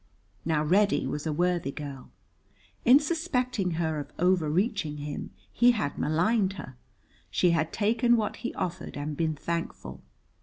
Now, Reddy was a worthy girl. In suspecting her of overreaching him he had maligned her: she had taken what he offered, and been thankful.